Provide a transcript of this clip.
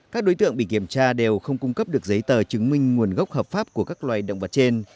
các đối tượng bị kiểm tra đều không cung cấp được giấy tờ chứng minh nguồn gốc hợp pháp của các loài động vật trên